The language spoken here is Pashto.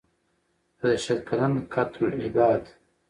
که د شل کلن «قتل العباد»